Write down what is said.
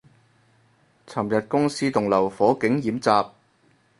尋日公司棟樓火警演習